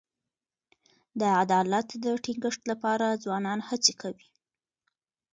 د عدالت د ټینګښت لپاره ځوانان هڅي کوي.